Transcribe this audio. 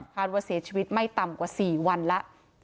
ว่าเสียชีวิตไม่ต่ำกว่า๔วันแล้ว